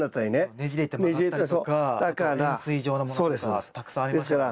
ねじれて曲がったりとかあと円錐状のものとかたくさんありますよね。